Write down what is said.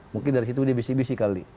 mungkin dari situ dia bisik bisi kali